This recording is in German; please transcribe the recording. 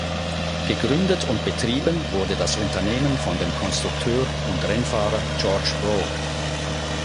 Gegründet und betrieben wurde das Unternehmen von dem Konstrukteur und Rennfahrer George Brough.